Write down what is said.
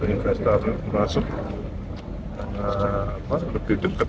investor masuk lebih dekat